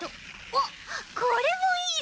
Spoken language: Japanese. おっこれもいい。